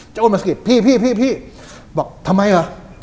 เจ้าโอ้นบัสเก็ตพี่บอกทำไมหรอ